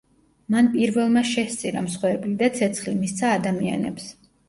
მან პირველმა შესწირა მსხვერპლი და ცეცხლი მისცა ადამიანებს.